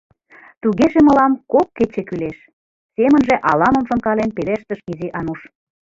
— Тугеже мылам кок кече кӱлеш, — семынже ала-мом шонкален пелештыш Изи Ануш.